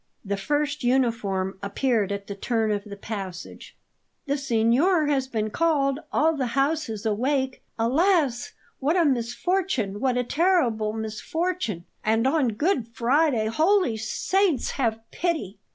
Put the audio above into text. The first uniform appeared at the turn of the passage. "The signor has been called; all the house is awake. Alas! what a misfortune what a terrible misfortune! And on Good Friday! Holy Saints, have pity!"